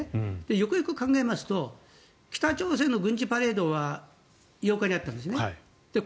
よくよく考えますと北朝鮮の軍事パレードは８日にあったんですね。